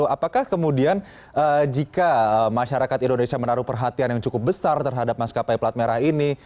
apakah kemudian jika masyarakat indonesia menaruh perhatian yang cukup besar terhadap maskapai plat merah ini